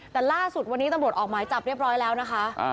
แต่ล่าสุดวันนี้ตำรวจออกหมายจับเรียบร้อยแล้วนะคะ